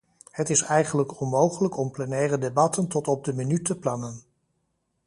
Het is eigenlijk onmogelijk om plenaire debatten tot op de minuut te plannen.